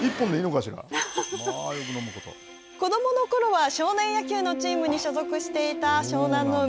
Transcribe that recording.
子どものころは少年野球のチームに所属していた湘南乃海。